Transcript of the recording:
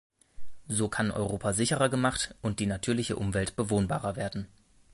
So kann Europa sicherer gemacht und die natürliche Umwelt bewohnbarer werden.